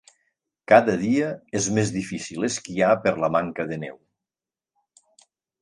Cada dia és més difícil esquiar per la manca de neu.